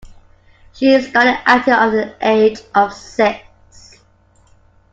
She started acting at the age of six.